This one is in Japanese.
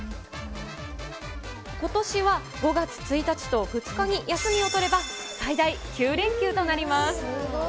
ことしは５月１日と２日に休みを取れば、最大９連休となります。